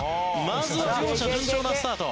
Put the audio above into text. まずは両者順調なスタート。